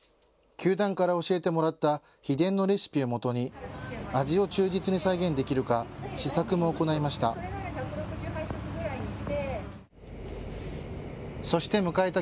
球団から教えてもらった秘伝のレシピをもとに味を忠実に再現できるか試作も行いました。